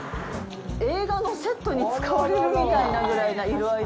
映画のセットに使われるみたいなぐらいな色合い。